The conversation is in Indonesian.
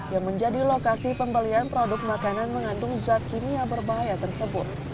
yang menjadi lokasi pembelian produk makanan mengandung zat kimia berbahaya tersebut